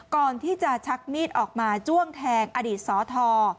ก่อนที่จะชักมีดออกมาจ้วงแทงอดีตสท